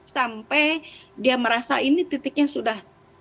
sampai dia merasa ini titiknya sudah